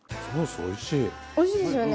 おいしいですよね